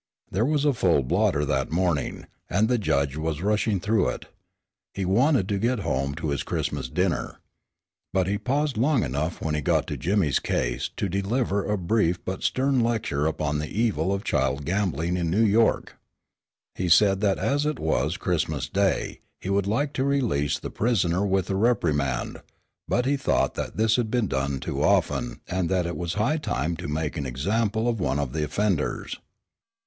There was a full blotter that morning, and the Judge was rushing through with it. He wanted to get home to his Christmas dinner. But he paused long enough when he got to Jimmy's case to deliver a brief but stern lecture upon the evil of child gambling in New York. He said that as it was Christmas Day he would like to release the prisoner with a reprimand, but he thought that this had been done too often and that it was high time to make an example of one of the offenders.